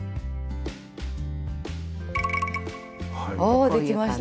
おできました。